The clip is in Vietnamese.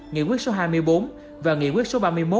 nghị quyết số hai mươi bốn và nghị quyết số ba mươi một